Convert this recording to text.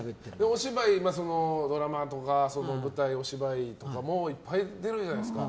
お芝居、ドラマとか舞台とかいっぱい出るじゃないですか。